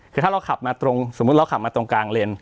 คือถ้าเราขับมาตรงสมมุติเราขับมาตรงกลางเลน